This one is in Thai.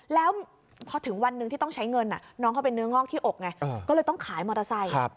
แล้วพอถึงวันหนึ่งที่ต้องใช้เงินน้องเขาเป็นเนื้องอกที่อกไงก็เลยต้องขายมอเตอร์ไซค์